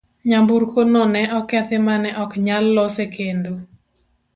Nyamburko no ne okethi ma ne ok nyal lose kendo.